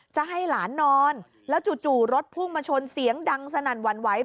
จะให้หลานนอนแล้วจู่รถพุ่งมาชนเสียงดังสนั่นหวั่นไหว